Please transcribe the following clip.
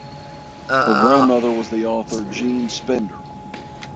Her grandmother was the author Jean Spender.